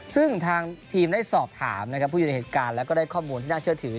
ซึ่งทางทีมได้สอบถามผู้อยู่ในเหตุการณ์และข้อมูลที่น่าเชื่อถือ